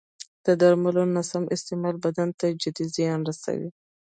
د درملو نه سم استعمال بدن ته جدي زیان رسوي.